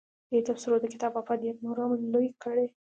دې تبصرو د کتاب افادیت نور هم لوی کړی.